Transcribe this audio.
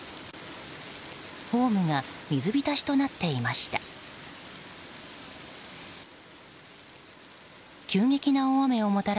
ホームが水浸しとなっていました。